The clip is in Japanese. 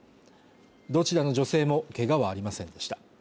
どちらの女性もけがはありませんでした